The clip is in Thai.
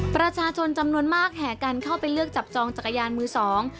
ประชาชนจำนวนมากแห่กันเข้าไปเลือกจับจองจักรยานมือสอง